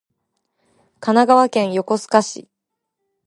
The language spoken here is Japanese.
神奈川県横須賀市